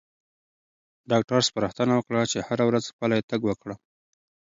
ډاکټر سپارښتنه وکړه چې هره ورځ پلی تګ وکړم.